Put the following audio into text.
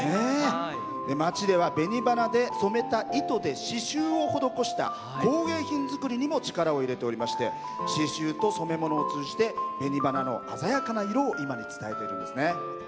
町では紅花で染めた糸で刺しゅうを施した工芸品作りにも力を入れておりまして刺しゅうと染め物を通じて紅花の鮮やかな色を今に伝えているんですね。